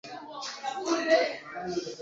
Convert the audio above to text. kuadhibiwa na tunashukuru hiyo kutungua hiyo ke